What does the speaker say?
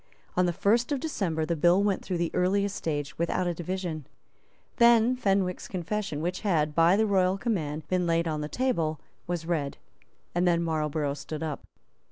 On the first of December the bill went through the earliest stage without a division. Then Fenwick's confession, which had, by the royal command, been laid on the table, was read; and then Marlborough stood up.